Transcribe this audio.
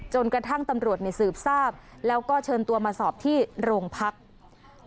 จนกระทั่งตำรวจสืบทราบแล้วก็เชิญตัวมาสอบที่โรงพักษณ์